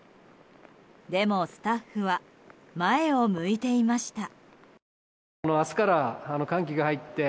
でもスタッフは前を向いていました。